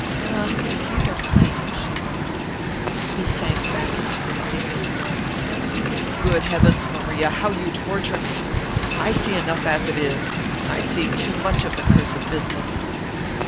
"Ah if you don't see!" she murmured. He sank back into his seat with a groan. "Good heavens, Maria, how you torture me! I see enough as it is I see too much of the cursed business!"